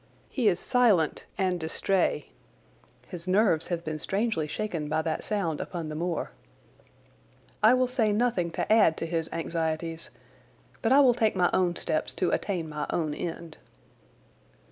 He is silent and distrait. His nerves have been strangely shaken by that sound upon the moor. I will say nothing to add to his anxieties, but I will take my own steps to attain my own end.